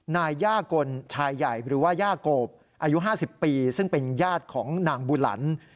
นายย่ากลชายใหญ่หรือว่าย่าโกบอายุ๕๐ปีซึ่งเป็นญาติของนางบุหลัน